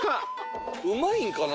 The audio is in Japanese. うまいんかな？